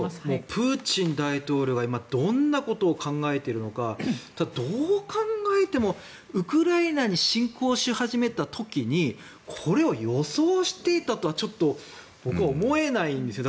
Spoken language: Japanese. プーチン大統領が今どんなことを考えているのかどう考えてもウクライナに侵攻し始めた時にこれを予想していたとは僕は思えないんですよ。